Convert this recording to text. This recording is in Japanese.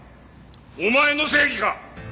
お前の正義か？